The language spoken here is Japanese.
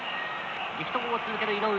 力投を続ける井上。